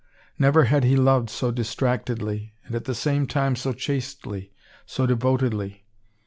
Never had he loved so distractedly, and at the same time so chastely, so devotedly.